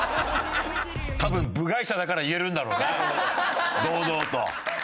多分部外者だから言えるんだろうな堂々と。